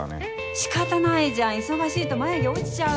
仕方ないじゃん忙しいと眉毛落ちちゃうの。